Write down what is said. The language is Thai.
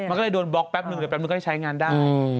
มันก็เลยโดนบล็อกแป๊บหนึ่งแต่แป๊บมันก็จะใช้งานได้